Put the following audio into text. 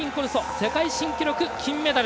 世界新記録、金メダル。